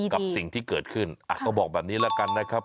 กับสิ่งที่เกิดขึ้นก็บอกแบบนี้แล้วกันนะครับ